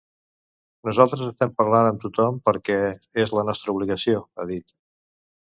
“Nosaltres estem parlant amb tothom perquè és la nostra obligació”, ha dit.